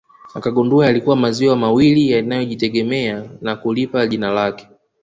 Akagundua yalikuwa maziwa mawili yanayojitegemea na kulipa jina lake